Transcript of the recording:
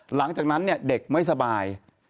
หลังจากนั้นเด็กไม่สบาย